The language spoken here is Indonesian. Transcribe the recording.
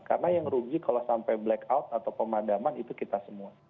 karena yang rugi kalau sampai black out atau pemadaman itu kita semua